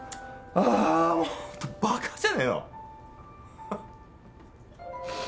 あもうバカじゃねえの。